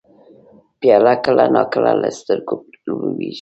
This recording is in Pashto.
پیاله کله نا کله له سترګو لوېږي.